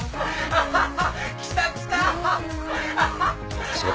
・アハハ！